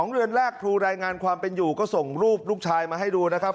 เดือนแรกครูรายงานความเป็นอยู่ก็ส่งรูปลูกชายมาให้ดูนะครับ